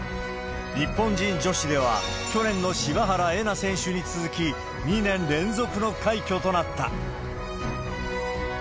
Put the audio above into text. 日本人女子では、去年の柴原瑛菜選手に続き、２年連続の快挙となった。